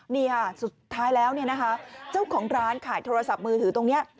นี่สุดท้ายแล้วเจ้าของร้านขายโทรศัพท์มือถือตรงนี้